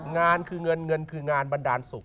งานคือเงินเงินคืองานบันดาลสุข